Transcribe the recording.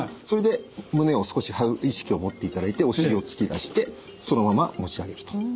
それで胸を少し張る意識を持っていただいてお尻を突き出してそのまま持ち上げると。